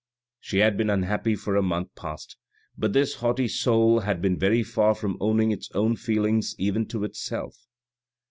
She had been unhappy for a month past, but this haughty soul had been very far from owning its own feelings even to itself.